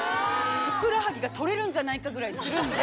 ふくらはぎが取れるんじゃないかぐらいつるんで。